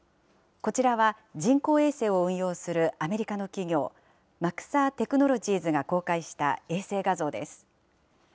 こちらは人工衛星を運用するアメリカの企業、マクサー・テクノロジーズが公開した衛星画像です。